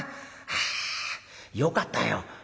あよかったよ」。